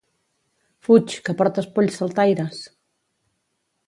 Fuig, que portes polls saltaires!